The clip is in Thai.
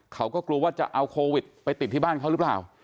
เขาก็กลัวว่าจะเอาโควิดไปติดที่บ้านเขาหรือเปล่า